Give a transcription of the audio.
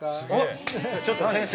田中：ちょっと、先生！